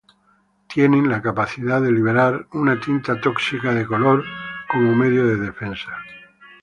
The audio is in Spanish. Tienen la capacidad de liberar una tinta tóxica de color como medio de defensa.